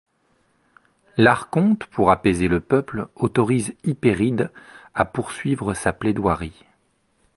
L'Archonte, pour apaiser le peuple, autorise Hypéride à poursuivre sa plaidoirie.